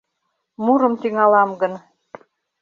Мурым тӱҥалам гын.